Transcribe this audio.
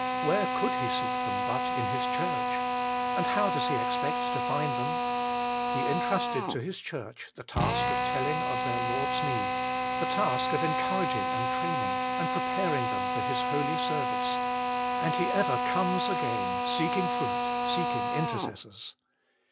Where could He seek them but in His Church ? And how does He expect to find them ? He intrusted to His Church the task of telling of their Lord s need, the task of encouraging and training, and preparing them for His holy service. And He ever comes again, seeking fruit, seeking intercessors.